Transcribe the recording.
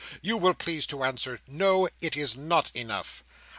You will please to answer no, it is not enough."